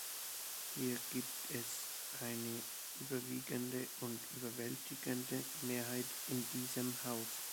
Hier gibt es eine überwiegende und überwältigende Mehrheit in diesem Haus.